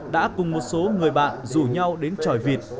đã cùng một số người bạn rủ nhau đến tròi vịt